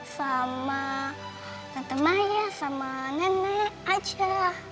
sama tante maya sama nenek aja